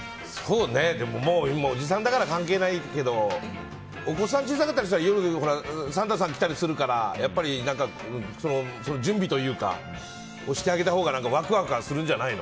おじさんだから関係ないけどお子さんが小さかったりしたら夜にサンタさんが来たりするからやっぱり、準備というかをしてあげたほうがワクワクはするんじゃないの？